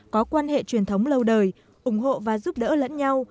có quan hệ truyền thống lâu đời ủng hộ và giúp đỡ lẫn nhau